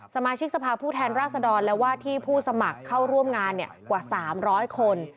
สมาชิกสภาพผู้แทนราษดรและว่าที่ผู้สมัครเข้าร่วมงานกว่า๓๐๐คน